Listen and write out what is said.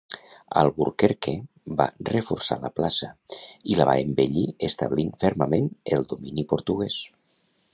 Albuquerque va reforçar la plaça i la va embellir establint fermament el domini portuguès.